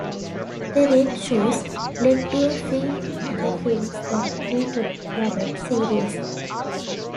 "The Red Shoes" led to a few other films that treated ballet seriously.